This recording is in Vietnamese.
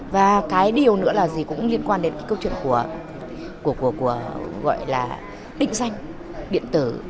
và cái điều nữa là gì cũng liên quan đến cái câu chuyện của định danh điện tử